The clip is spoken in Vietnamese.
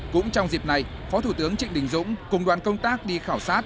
cũng trong dịp này phó thủ tướng trịnh đình dũng cùng đoàn công tác đi khảo sát